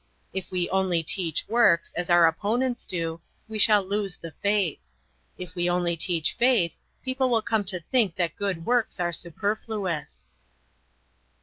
If we only teach works, as our opponents do, we shall lose the faith. If we only teach faith people will come to think that good works are superfluous.